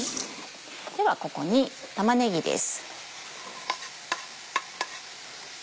ではここに玉ねぎです。